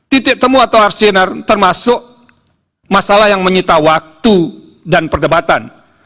titik temu atau arsiner termasuk masalah yang menyita waktu dan perdebatan